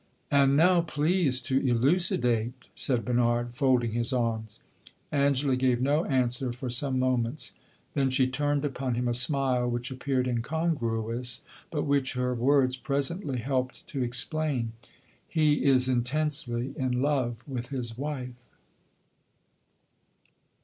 "And now please to elucidate!" said Bernard, folding his arms. Angela gave no answer for some moments; then she turned upon him a smile which appeared incongruous, but which her words presently helped to explain. "He is intensely in love with his wife!"